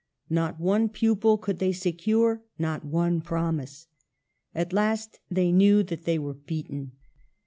Not one pupil could they secure ; not one promise. At last they knew that they were beaten.